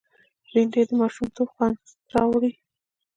بېنډۍ د ماشومتوب خوند راوړي